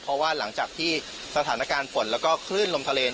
เพราะว่าหลังจากที่สถานการณ์ฝนแล้วก็คลื่นลมทะเล